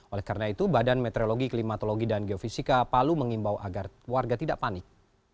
oleh karena itu badan meteorologi klimatologi dan geofisika palu mengimbau agar warga tidak panik